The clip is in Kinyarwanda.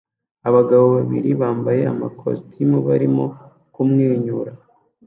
Abagabo babiri bambaye amakositike barimo kumwenyura